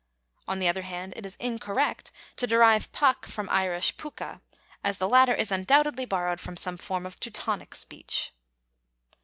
On the other hand it is incorrect to derive Puck from Irish puca, as the latter is undoubtedly borrowed from some form of Teutonic speech.